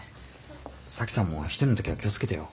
沙樹さんも一人の時は気を付けてよ。